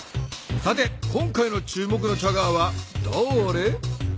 さて今回の注目のチャガーはだれ？